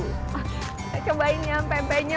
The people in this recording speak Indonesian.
oke kita coba ini yang pempenya